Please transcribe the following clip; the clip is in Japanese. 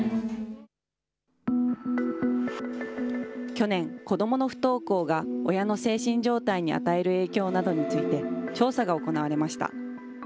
去年、子どもの不登校が親の精神状態に与える影響などについて調査が行われました。